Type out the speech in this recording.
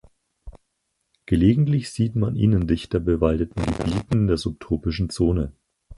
Gelegentlich sieht man ihn in dichter bewaldeten Gebieten der subtropischen Zone.